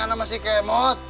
anak masih kemot